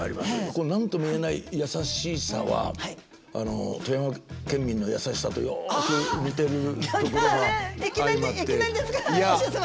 この何とも言えないやさしさは富山県民のやさしさとよく似てるところが相まって。